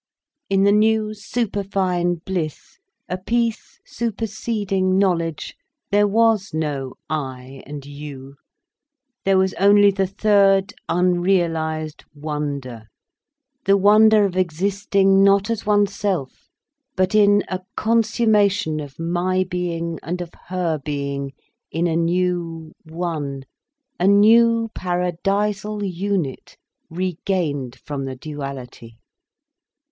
In the new, superfine bliss, a peace superseding knowledge, there was no I and you, there was only the third, unrealised wonder, the wonder of existing not as oneself, but in a consummation of my being and of her being in a new one, a new, paradisal unit regained from the duality.